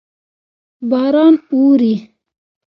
باران اوري.